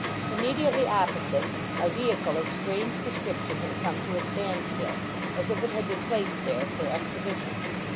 Immediately opposite a vehicle of strange description had come to a standstill, as if it had been placed there for exhibition.